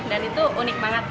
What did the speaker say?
dan itu unik banget